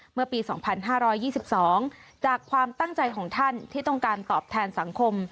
เมื่อปี๒๕๒๒จากความตั้งใจของท่านที่ต้องการตอบแทนสังคม